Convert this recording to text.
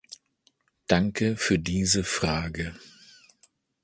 Danke für diese Frage.